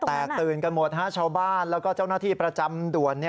แตกตื่นกันหมดชาวบ้านแล้วก็เจ้าหน้าที่ประจำด่วน